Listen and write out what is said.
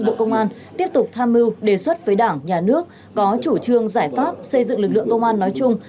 bộ công an tiếp tục tham mưu đề xuất với đảng nhà nước có chủ trương giải pháp xây dựng lực lượng công an nói chung